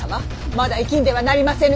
まだ息んではなりませぬ！